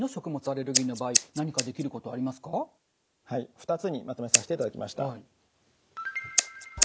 ２つにまとめさせていただきました。